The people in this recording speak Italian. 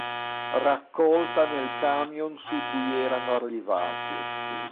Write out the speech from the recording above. raccolta nel camion su cui erano arrivati